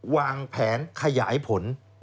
วางแผนขยายผล